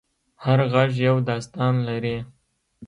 هر غږ یو داستان لري.